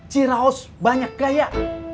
ciraus banyak gaya